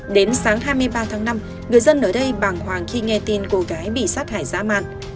đến sáng hai mươi ba tháng năm người dân ở đây bảng hoàng khi nghe tin cô gái bị sát hại giã mạn